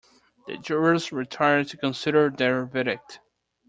The jurors retire to consider their verdict.